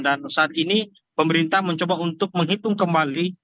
dan saat ini pemerintah mencoba untuk menghitung kembali